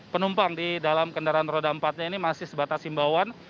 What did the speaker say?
penumpang di dalam kendaraan roda empat nya ini masih sebatas himbauan